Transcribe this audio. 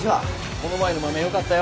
この前の豆よかったよ